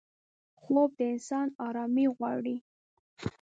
خوب د انسان آرامي غواړي